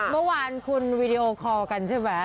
เมื่อวานคุณวีดีโอคอลกันใช่ไหม